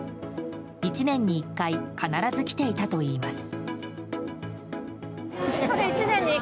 １年に１回必ず来ていたといいます。